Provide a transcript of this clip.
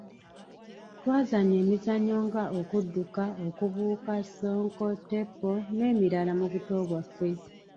Twazanya emizannyo nga okudduka, okubuuka, ssonko, ttepo n'emirala mu buto bwaffe.